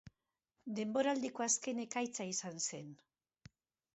Denboraldiko azken ekaitza izan zen.